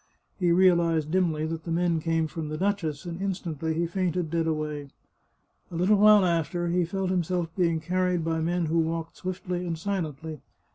" He realized dimly that the men came from the duchess, and instantly he fainted dead away. A little while after he felt himself being carried by men who walked swiftly and silently.